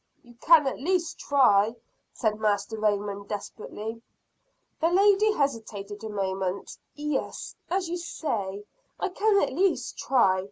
"You can at least try," said Master Raymond desperately. The lady hesitated a moment. "Yes, as you say, I can at least try.